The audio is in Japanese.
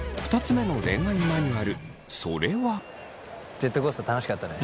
ジェットコースター楽しかったね。